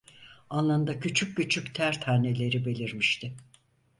Alnında küçük küçük ter taneleri belirmişti.